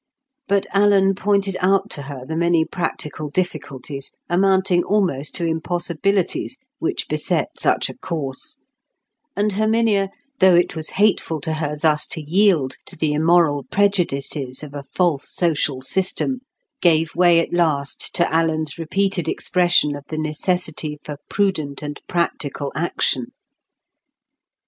But Alan pointed out to her the many practical difficulties, amounting almost to impossibilities, which beset such a course; and Herminia, though it was hateful to her thus to yield to the immoral prejudices of a false social system, gave way at last to Alan's repeated expression of the necessity for prudent and practical action.